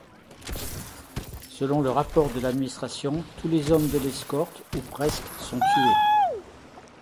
Selon le rapport de l'administration tous les hommes de l'escorte, ou presque, sont tués.